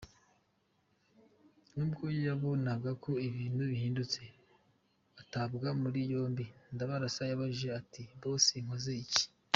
Nubwo yabonaga ko ibintu bihindutse, atabwa muri yombi Ndabarasa yabajije ati: “Boss Nkoze iki?”